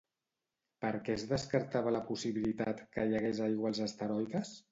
Per què es descartava la possibilitat que hi hagués aigua als asteroides?